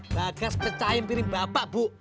bagas pecahin piring bapak bu